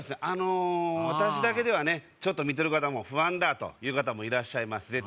あの私だけではねちょっと見てる方も不安だという方もいらっしゃいます